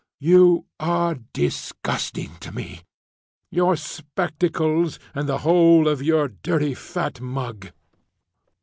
You are disgusting to me your spectacles and the whole of your dirty fat mug.